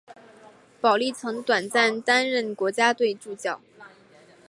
保历曾短暂担任国家队助教。